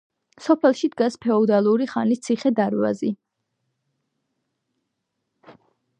სოფელში დგას ფეოდალური ხანის ციხე-დარბაზი.